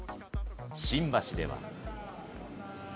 新橋では。